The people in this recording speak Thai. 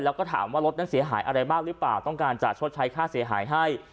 แล้วก็ถามว่ารถนั้นเสียหายอะไรบ้างหรือเปล่าต้องการจะชดใช้ค่าเสียหายให้